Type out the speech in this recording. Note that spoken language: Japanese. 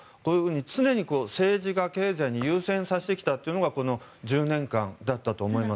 常に政治が経済を優先させてきたのがこの１０年間だったと思います。